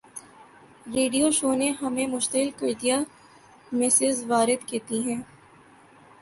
radio show نے ہمیں مشتعل کر دیا مسز وارد کہتی ہے